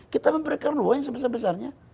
kita memberikan ruang yang sebesar besarnya